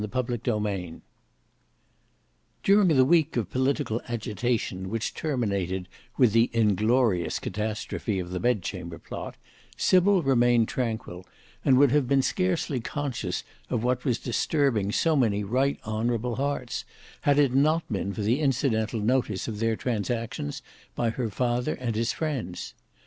Book 4 Chapter 15 During the week of political agitation which terminated with the inglorious catastrophe of the Bedchamber plot, Sybil remained tranquil, and would have been scarcely conscious of what was disturbing so many right honourable hearts, had it not been for the incidental notice of their transactions by her father and his friends.